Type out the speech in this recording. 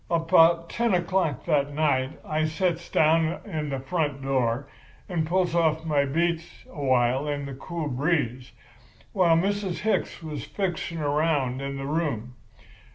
"About ten o'clock that night I sets down in the front door and pulls off my boots a while in the cool breeze, while Mrs. Hicks was fixing around in the room.